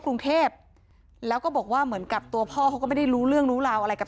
กรุงเทพแล้วก็บอกว่าเหมือนกับตัวพ่อเขาก็ไม่ได้รู้เรื่องรู้ราวอะไรกับ